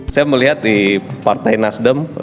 saya melihat di partai nasdem